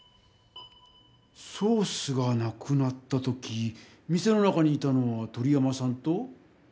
ソースがなくなった時店の中にいたのは鳥山さんと。